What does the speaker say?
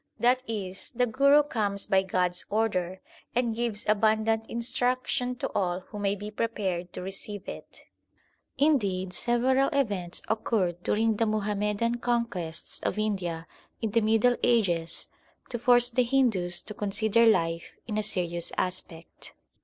That is, the Guru comes by God s order and gives abundant instruction to all who may be prepared to receive it. Indeed several events occurred during the Muhammadan conquests of India in the Middle Ages to force the Hindus to consider life in a serious aspect.